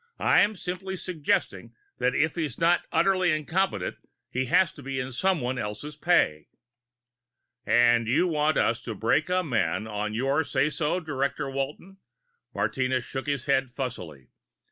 "I'm simply suggesting that if he's not utterly incompetent he must be in someone else's pay." "And you want us to break a man on your say so, Director Walton?" Martinez shook his head fussily.